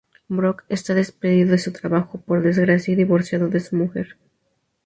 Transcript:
Brock está despedido de su trabajo por desgracia y divorciado de su mujer.